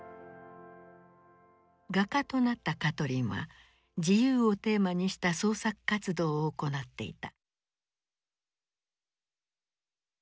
画家となったカトリンは「自由」をテーマにした創作活動を行っていた。